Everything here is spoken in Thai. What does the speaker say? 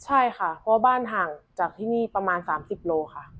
ใช่ค่ะเพราะว่าบ้านห่างจากที่นี่ประมาณ๓๐โลค่ะ